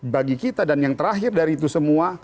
bagi kita dan yang terakhir dari itu semua